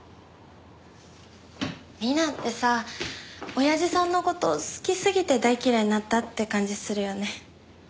ミナってさ親父さんの事好きすぎて大嫌いになったって感じするよね。